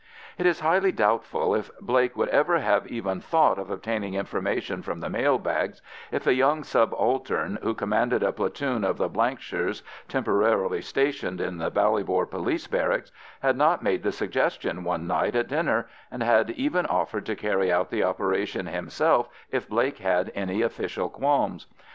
It is highly doubtful if Blake would ever have even thought of obtaining information from the mail bags, if a young subaltern, who commanded a platoon of the Blankshires temporarily stationed in the Ballybor Police Barracks, had not made the suggestion one night at dinner, and had even offered to carry out the operation himself if Blake had any official qualms.